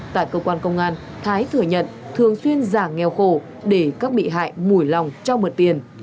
tại cơ quan công an thái thừa nhận thường xuyên giả nghèo khổ để các bị hại mùi lòng cho mượn tiền